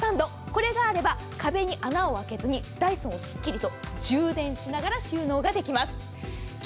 これがあれば壁に穴を開けずにダイソンをすっきりと充電しながら収納ができます。